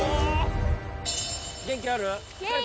元気ある？